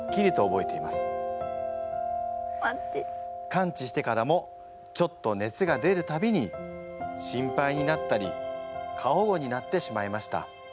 「完治してからもちょっと熱が出るたびに心配になったり過保護になってしまいました。